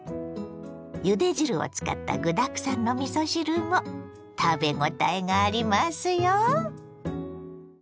ゆで汁を使った具だくさんのみそ汁も食べごたえがありますよ。